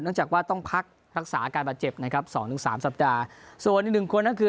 จากว่าต้องพักรักษาอาการบาดเจ็บนะครับสองถึงสามสัปดาห์ส่วนอีกหนึ่งคนก็คือ